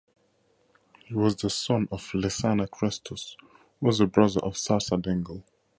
He was the son of Lesana Krestos, who was the brother of Sarsa Dengel.